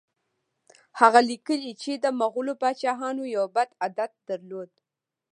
هغه لیکي چې د مغولو پاچاهانو یو بد عادت درلود.